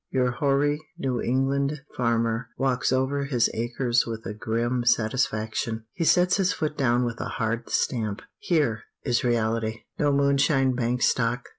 Your hoary New England farmer walks over his acres with a grim satisfaction. He sets his foot down with a hard stamp; here is reality. No moonshine bank stock!